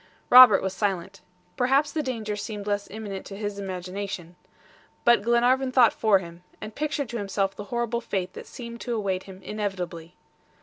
Robert was silent. Perhaps the danger seemed less imminent to his imagination. But Glenarvan thought for him, and pictured to himself the horrible fate that seemed to await him inevitably.